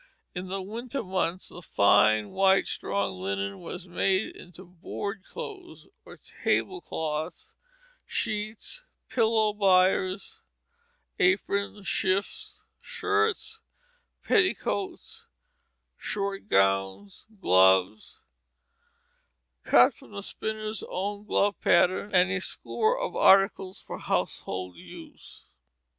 In the winter months the fine, white, strong linen was made into "board cloths" or tablecloths, sheets, pillow biers, aprons, shifts, shirts, petticoats, short gowns, gloves, cut from the spinner's own glove pattern, and a score of articles for household use.